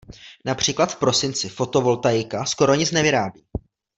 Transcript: Například v prosinci fotovoltaika skoro nic nevyrábí.